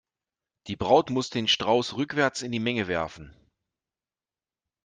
Die Braut muss den Strauß rückwärts in die Menge werfen.